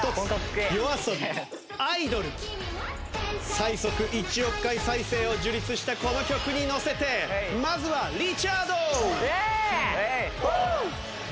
最速一億回再生を樹立したこの曲にのせてまずはリチャード！